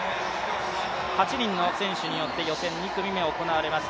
８人の選手によって予選２組目が行われます。